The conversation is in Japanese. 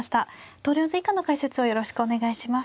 投了図以下の解説をよろしくお願いします。